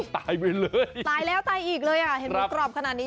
ตายไปเลยตายแล้วตายอีกเลยอ่ะเห็นหมูกรอบขนาดนี้